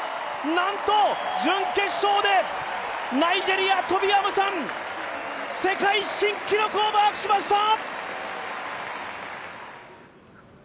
なんと、準決勝でナイジェリア、トビ・アムサン、世界新記録をマークしました。